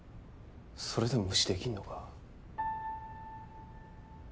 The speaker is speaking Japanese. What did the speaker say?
それでも無視できんのか。